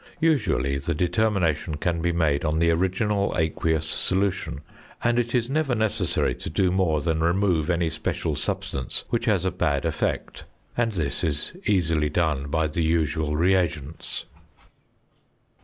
Usually, the determination can be made on the original aqueous solution, and it is never necessary to do more than remove any special substance which has a bad effect; and this is easily done by the usual reagents.